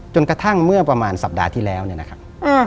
กระทั่งเมื่อประมาณสัปดาห์ที่แล้วเนี่ยนะครับ